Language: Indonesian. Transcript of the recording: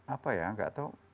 apa ya nggak tahu